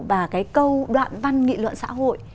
và cái câu đoạn văn nghị luận xã hội